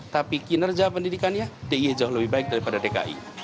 tapi kinerja pendidikannya d i jauh lebih baik daripada dki